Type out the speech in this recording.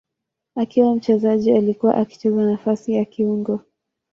Akiwa mchezaji alikuwa akicheza nafasi ya kiungo.